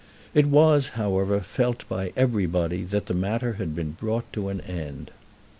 It was, however, felt by everybody that the matter had been brought to an end.